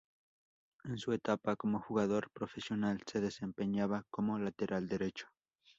En su etapa como jugador profesional se desempeñaba como lateral derecho.